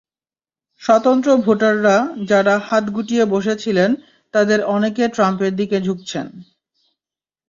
স্বতন্ত্র ভোটাররা, যাঁরা হাত গুটিয়ে বসে ছিলেন, তাঁদের অনেকে ট্রাম্পের দিকে ঝুঁকছেন।